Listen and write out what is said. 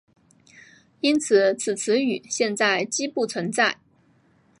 因此此词语现在几不存在。